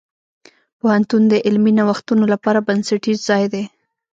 پوهنتون د علمي نوښتونو لپاره بنسټیز ځای دی.